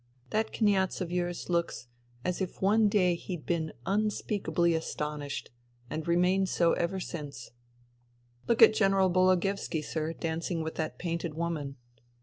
" That Kniaz of yours looks as if one day he'd been unspeak ably astonished — and remained so ever since." 140 FUTILITY '* Look at General Bologoevski, sir, dancing with that painted woman."